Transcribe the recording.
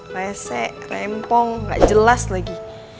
rese rempong gak jelas lagi